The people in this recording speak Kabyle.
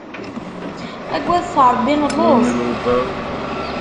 Agadet Rebbi, nelluẓ!